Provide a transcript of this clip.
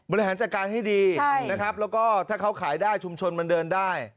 บริหารจัดการให้ดีนะครับแล้วก็ถ้าเขาขายได้ชุมชนมันเดินได้